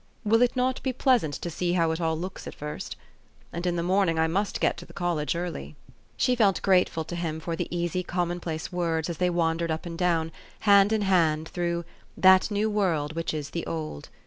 Will it not be pleasant to see how it all looks at first ? And in the morning I must get to college early. " She felt grateful to him for the easy commonplace words as they wandered up and down, hand in hand, through " that new world which is the old."